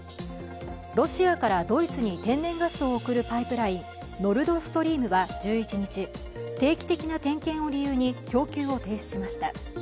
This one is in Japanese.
ロシアからドイツに天然ガスを送るパイプライン、ノルドストリームは１１日、定期的な点検を理由に供給を停止しました。